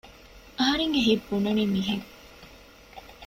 އަހަރެންގެ ހިތް ބުނަނީ މިހެން